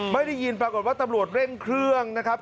ไม่ได้ยินปรากฏว่าตำรวจเร่งเครื่องนะครับ